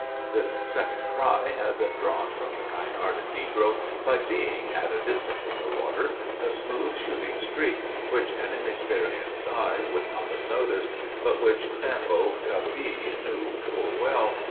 This second cry had been drawn from the kind hearted negro, by seeing, at a distance in the water a smooth shooting streak, which an inexperienced eye would not have noticed, but which Sambo and Cuffee knew full well.